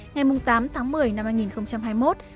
ngày tám tháng một mươi năm hai nghìn hai mươi một